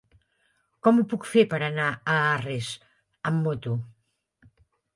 Com ho puc fer per anar a Arres amb moto?